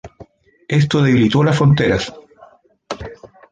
Esto debilitó las fronteras.